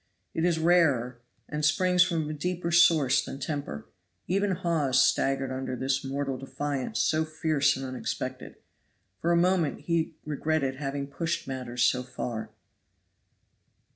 It is rarer, and springs from a deeper source than temper. Even Hawes staggered under this mortal defiance so fierce and unexpected. For a moment he regretted having pushed matters so far.